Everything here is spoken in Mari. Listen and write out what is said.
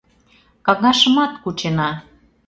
Каҥашымат кучена.